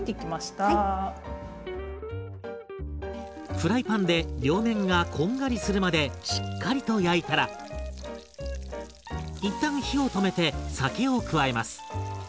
フライパンで両面がこんがりするまでしっかりと焼いたら一旦火を止めて酒を加えます。